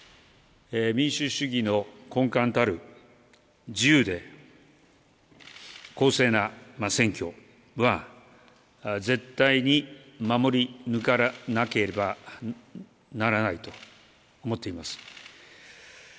民主主義の根幹たる、自由で公正な選挙は、絶対に守り抜かなければならないと思っています。